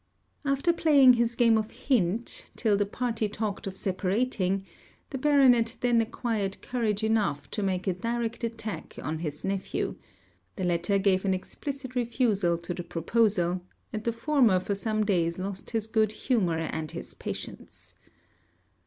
After playing this game of hint, till the party talked of separating, the Baronet then acquired courage enough to make a direct attack on his nephew; the latter gave an explicit refusal to the proposal; and the former for some days lost his good humour and his patience.